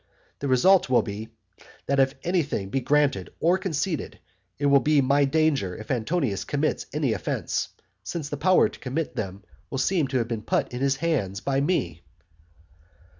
The result will be that if anything be granted or conceded, it will be my danger if Antonius commits any offences, since the power to commit them will seem to have been put in his hands by me.